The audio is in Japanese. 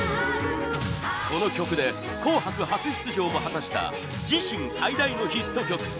この曲で「紅白」初出場も果たした自身最大のヒット曲